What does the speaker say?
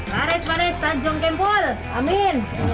mares mares tajung kempul amin